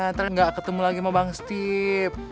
ntar ga ketemu lagi sama bang steve